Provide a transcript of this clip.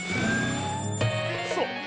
そう。